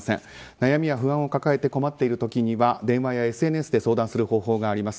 悩みや不安を抱えて困っている時には電話やＳＮＳで相談する方法があります。